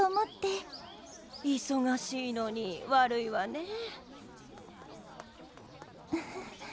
忙しいのに悪いわねえ。